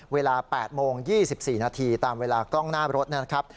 เวลา๘โมง๒๔นาทีตามเวลากล้องหน้ารถนะครับ